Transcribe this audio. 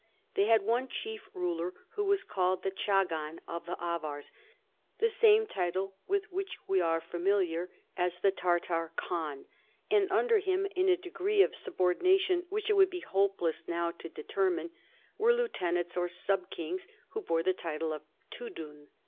They had one cliief ruler, who was called the chagan of the Avars — the same title with w^hich we are familiar as the 206 CHARLEMAGNE. Tartar khan — and under him, in a degree of sub ordination which it would be hopeless now to deter mine, were lieutenants or sub kings, who bore tlie title of tudun.